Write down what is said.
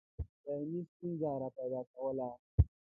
دایمي ستونزه را پیدا کوله.